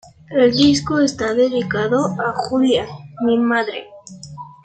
El disco está dedicado "a Julia, mi madre".